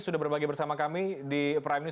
sudah berbagi bersama kami di perhubungan